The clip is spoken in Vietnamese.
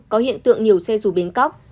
có hiện tượng nhiều xe rủ bến cóc